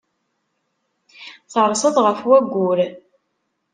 Terseḍ ɣef wayyur.